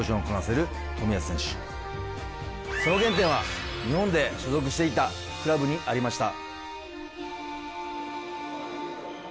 その原点は、日本で所属していたクラブにありました。